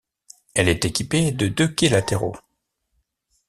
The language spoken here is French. Elle est équipée de deux quais latéraux.